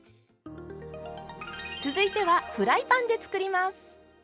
続いてはフライパンで作ります。